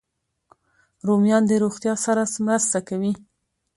رومیان د روغتیا سره مرسته کوي